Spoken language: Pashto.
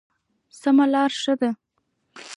سمه لاره ښه ده.